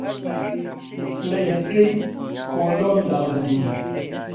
لە ئێزگەی کۆلۆن دابەزین.